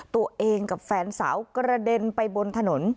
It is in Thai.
ตัวเองกับแฟนสาวกระเด็นไปบนถนน